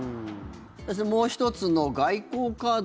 そしてもう１つの外交カード。